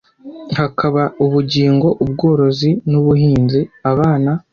hakaba kubigo ubworozi n’ubuhinzi abana